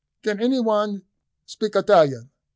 "Can any one speak Italian?"